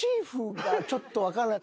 ちょっと分からない。